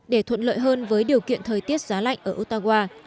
để thuận lợi hơn với điều kiện thời tiết giá lạnh ở ottawa